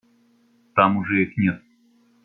Там уже их нет.